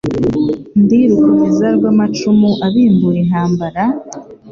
Ndi Rukomeza rw'amacumu abimbura intambara,